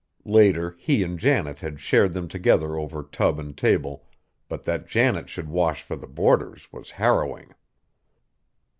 Later he and Janet had shared them together over tub and table, but that Janet should wash for the boarders was harrowing!